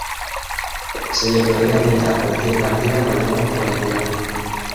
Se le prohíbe apuntar cualquier partida organizada por la entidad.